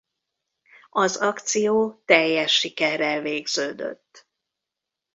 Az akció teljes sikerrel végződött.